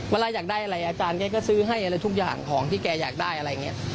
เวลาอยากได้อะไรอาจารย์แกก็ซื้อให้อะไรทุกอย่างของที่แกอยากได้อะไรอย่างนี้